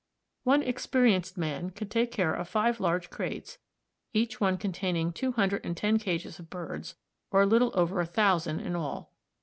One experienced man can take charge of five large crates, each one containing two hundred and ten cages of birds, or a little over a thousand in all.